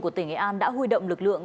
của tỉnh nghệ an đã huy động lực lượng